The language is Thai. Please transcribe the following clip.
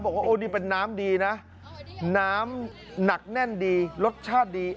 บอกว่าโอ้นี่เป็นน้ำดีนะน้ำหนักแน่นดีรสชาติดี